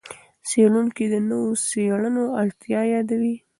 څېړونکي د نورو څېړنو اړتیا یادوي.